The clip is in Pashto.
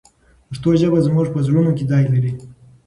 پښتو ژبه زموږ په زړونو کې ځای لري.